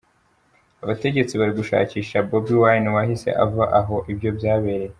Abategetsi bari gushakisha Bobi Wine wahise ava aho ibyo byabereye.